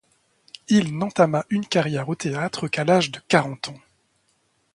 Il n'entama une carrière au théâtre qu'à l'âge de quarante ans.